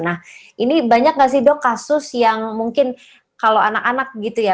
nah ini banyak gak sih dok kasus yang mungkin kalau anak anak gitu ya